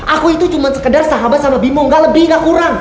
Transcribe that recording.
aku itu cuman sekedar sahabat sama bimbo ga lebih ga kurang